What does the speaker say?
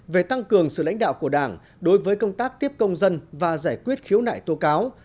về tăng cường sự lãnh đạo của đảng đối với công tác tiếp công dân và giải quyết khiếu nại tố cáo